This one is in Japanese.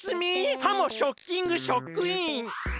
ハモショッキングショックイン！